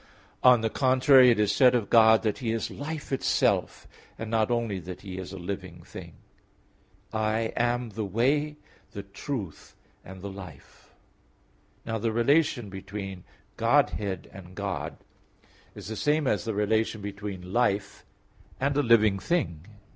On the contrary, It is said of God that He is life itself, and not only that He is a living thing: "I am the way, the truth, and the life" (John 14:6). Now the relation between Godhead and God is the same as the relation between life and a living thing.